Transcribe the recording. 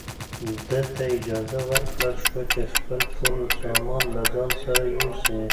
ده ته اجازه ورکړل شوه چې خپل ټول سامان له ځان سره یوسي.